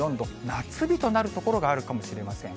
夏日となる所があるかもしれません。